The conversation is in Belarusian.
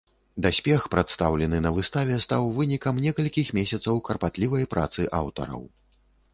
Даспех, прадстаўлены на выставе стаў вынікам некалькіх месяцаў карпатлівай працы аўтараў.